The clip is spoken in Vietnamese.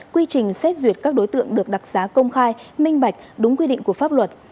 quy trình xét duyệt các đối tượng được đặc giá công khai minh bạch đúng quy định của pháp luật